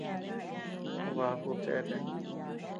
Bakud cheatea.